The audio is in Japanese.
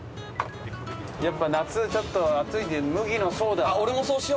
やっぱ夏ちょっと暑いんで麦のソーダを。